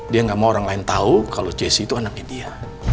dia gak mau orang lain tahu kalau jessi itu anaknya dia